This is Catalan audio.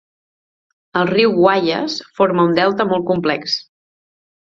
El riu Guayas forma un delta molt complex.